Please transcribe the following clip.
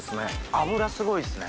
脂すごいですね。